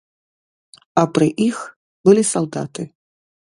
А пры іх былі салдаты.